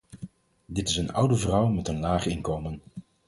Dit is een oude vrouw met een laag inkomen.